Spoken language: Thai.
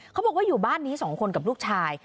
เขาบอกว่าอยู่บ้านนี้๒คนกับลูกชาย